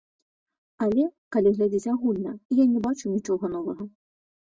Але, калі глядзець агульна, я не бачу нічога новага.